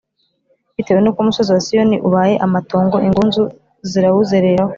Bitewe n’uko umusozi wa Siyoni ubaye amatongo, Ingunzu zirawuzereraho.